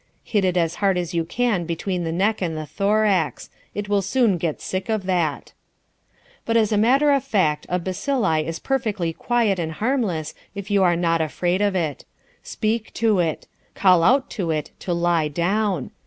Hit it as hard as you can between the neck and the thorax. It will soon get sick of that. But as a matter of fact, a bacilli is perfectly quiet and harmless if you are not afraid of it. Speak to it. Call out to it to "lie down."